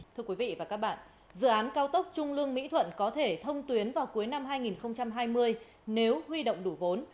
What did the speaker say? thưa quý vị và các bạn dự án cao tốc trung lương mỹ thuận có thể thông tuyến vào cuối năm hai nghìn hai mươi nếu huy động đủ vốn